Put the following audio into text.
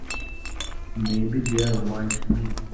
Maybe they're like me.